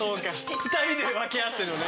２人で分け合ってんのね。